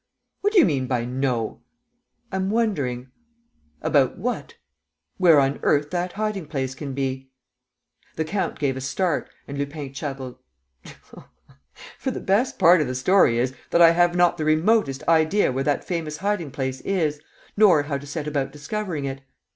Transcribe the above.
"What do you mean by no?" "I'm wondering." "What about?" "Where on earth that hiding place can be!" The count gave a start and Lupin chuckled: "For the best part of the story is that I have not the remotest idea where that famous hiding place is nor how to set about discovering it.